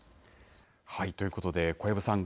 ということで小籔さん